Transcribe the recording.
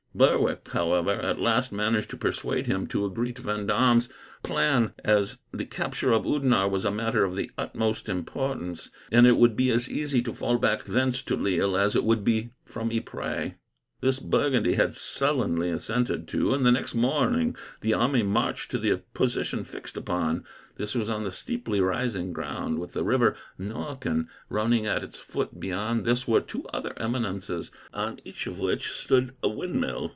Berwick, however, at last managed to persuade him to agree to Vendome's plan, as the capture of Oudenarde was a matter of the utmost importance, and it would be as easy to fall back thence to Lille as it would be from Ypres. This Burgundy had sullenly assented to, and the next morning the army marched to the position fixed upon. This was on steeply rising ground, with the river Norken running at its foot. Beyond this were two other eminences, on each of which stood a windmill.